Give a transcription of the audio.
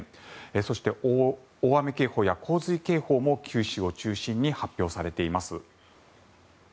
そして、大雨警報や洪水警報も九州を中心に発表されています。